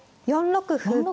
４六歩。